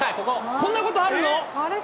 こんなことあるの？